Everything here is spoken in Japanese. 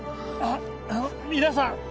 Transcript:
あ皆さん